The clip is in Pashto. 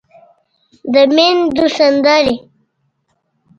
د ميندو سندرې